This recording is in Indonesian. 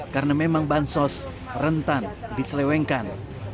karena memang bansos rentan diselewengkan